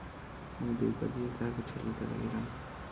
আমি দুই পা দিয়া তাহাকে ঠেলিতে লাগিলাম।